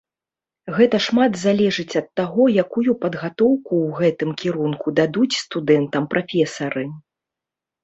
Гэта шмат залежыць ад таго, якую падгатоўку ў гэтым кірунку дадуць студэнтам прафесары.